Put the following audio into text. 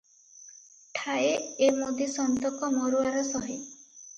ଠାଏ ଏ ମୁଦି ସନ୍ତକ ମରୁଆର ସହି ।